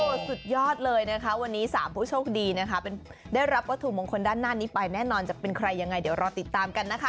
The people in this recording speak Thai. สุดยอดเลยนะคะวันนี้๓ผู้โชคดีนะคะได้รับวัตถุมงคลด้านหน้านี้ไปแน่นอนจะเป็นใครยังไงเดี๋ยวรอติดตามกันนะคะ